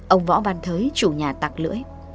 ông võ văn thới chủ nhà tặc lưỡi